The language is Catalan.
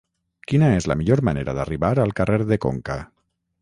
Quina és la millor manera d'arribar al carrer de Conca?